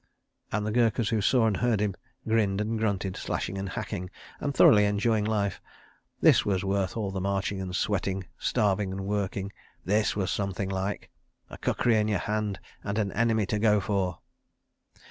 and the Gurkhas who saw and heard him grinned and grunted, slashing and hacking, and thoroughly enjoying life. ... (This was worth all the marching and sweating, starving and working. ... This was something like! A kukri in your hand and an enemy to go for!)